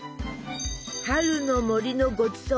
春の森のごちそう。